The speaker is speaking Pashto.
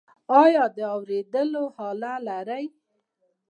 ایا د اوریدلو آله لرئ؟